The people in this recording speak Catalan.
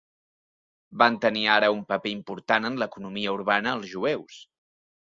Van tenir ara un paper important en l'economia urbana els jueus.